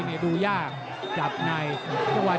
แบ๊กดวนใยจับแดงจับได้เปียก